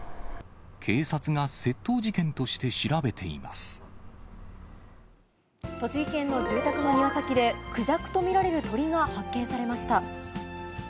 警察が窃盗事件として調べて栃木県の住宅の庭先で、クジャクと見られる鳥が発見されました。